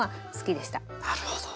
なるほど。